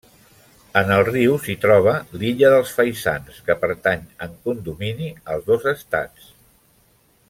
En el riu s'hi troba l'Illa dels Faisans, que pertany en condomini als dos estats.